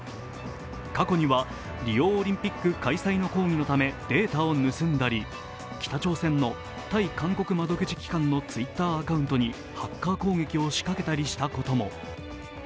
過去にはリオオリンピック開催の抗議のためデータを盗んだり北朝鮮の対韓国窓口機関のＴｗｉｔｔｅｒアカウントにハッカー攻撃を仕掛けたりしたことも。